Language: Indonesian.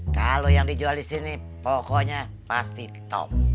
kalau yang dijual di sini pokoknya pasti top